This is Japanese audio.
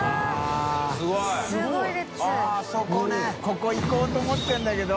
海行こうと思ってるんだけど。